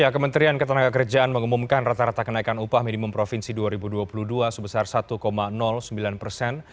kementerian ketenagakerjaan mengumumkan rata rata kenaikan upah minimum provinsi dua ribu dua puluh dua sebesar satu sembilan persen